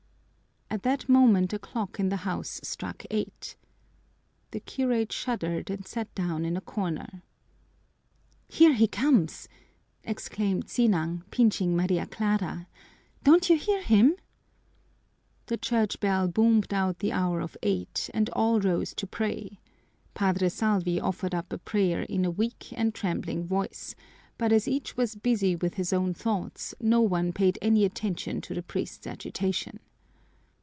At that moment a clock in the house struck eight. The curate shuddered and sat down in a corner. "Here he comes!" exclaimed Sinang, pinching Maria Clara. "Don't you hear him?" The church bell boomed out the hour of eight and all rose to pray. Padre Salvi offered up a prayer in a weak and trembling voice, but as each was busy with his own thoughts no one paid any attention to the priest's agitation.